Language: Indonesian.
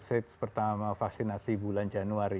stage pertama vaksinasi bulan januari